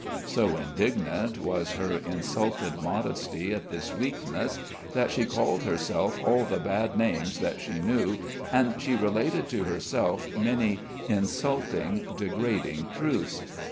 So indignant was her insulted modesty at this weakness that she called herself all the bad names that she knew and she related to herself many insulting, degrading truths.